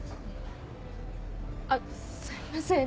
あっすいません。